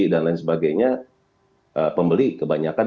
dan lain sebagainya pembeli kebanyakan